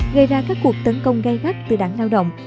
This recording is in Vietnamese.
gây ra các cuộc tấn công gây gắt từ đảng lao động